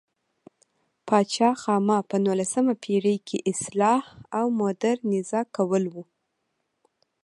پاچا خاما په نولسمه پېړۍ کې اصلاح او مودرنیزه کول و.